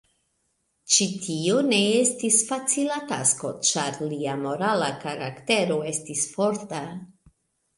Ĉi tiu ne estis facila tasko, ĉar lia morala karaktero estis forta.